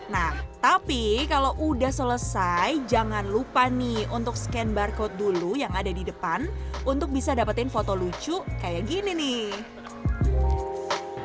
nah tapi kalau udah selesai jangan lupa nih untuk scan barcode dulu yang ada di depan untuk bisa dapetin foto lucu kayak gini nih